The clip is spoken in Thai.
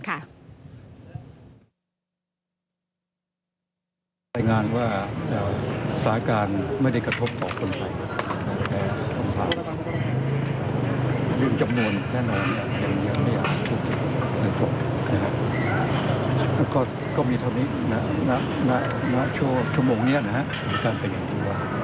ก็มีเท่านี้ณโชว์ชั่วโมงเนี้ยนะฮะสมการเป็นอย่างดูว่า